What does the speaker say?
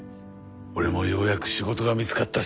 俺もようやく仕事が見つかったし。